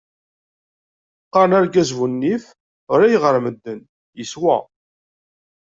Qaren argaz bu nnif, ɣlay ɣer medden, yeswa.